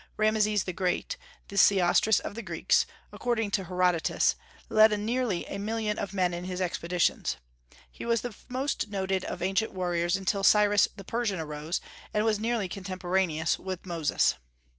Rameses the Great, the Sesostris of the Greeks, according to Herodotus led nearly a million of men in his expeditions. He was the most noted of ancient warriors until Cyrus the Persian arose, and was nearly contemporaneous with Moses.